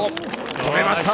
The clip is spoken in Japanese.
止めました。